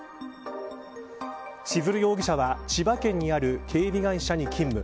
千鶴容疑者は千葉県にある警備会社に勤務。